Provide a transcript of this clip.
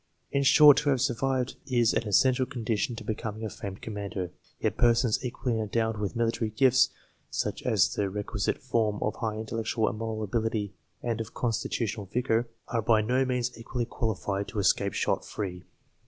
In short, to have survived is an essential condition to becoming a famed commander ; yet persons equally endowed with military gifts such as the requisite form of high intellectual and moral ability and of constitutional vigour are by no means equally qualified to escape shot free.